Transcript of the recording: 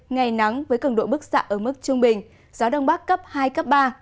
ngày nắng với cứng độ bức xạ ở mức trung bình gió đông bắc cấp hai cấp ba